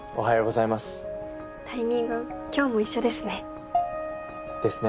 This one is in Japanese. タイミング今日も一緒ですね。ですね。